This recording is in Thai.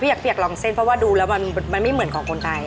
อยากเปียกลองเส้นเพราะว่าดูแล้วมันไม่เหมือนของคนไทย